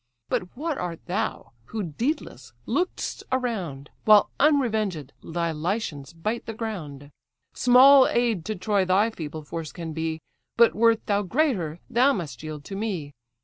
But what art thou, who deedless look'st around, While unrevenged thy Lycians bite the ground! Small aid to Troy thy feeble force can be; But wert thou greater, thou must yield to me.